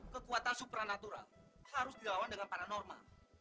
kekuatan supranatural harus dilawan dengan paranorma